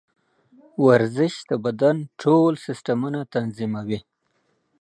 ورزش د بدن ټول سیسټمونه تنظیموي.